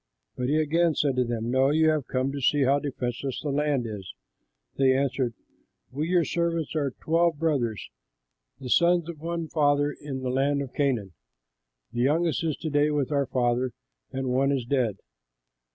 But he again said to them, "No, you have come to see how defenseless the land is." They answered, "We, your servants, are twelve brothers, the sons of one father in the land of Canaan. The youngest is to day with our father, and one is dead."